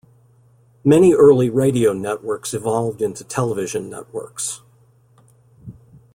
Many early radio networks evolved into Television networks.